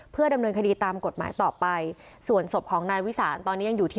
เพื่อดำเนินคดีตามกฎหมายต่อไปส่วนศพของนายวิสานตอนนี้ยังอยู่ที่